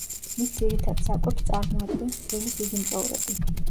მის ძირითად საკვებს წარმოადგენს წვრილი ძუძუმწოვრები.